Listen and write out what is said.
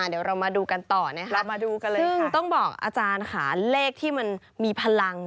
อะเดี๋ยวเรามาดูกันต่อนะคะซึ่งต้องบอกอาจารย์ค่ะเลขที่มันมีพลัง